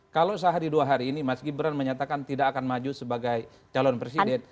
kalau sehari dua hari ini mas gibran menyatakan tidak akan maju sebagai calon presiden